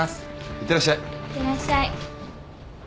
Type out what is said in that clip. いってらっしゃい。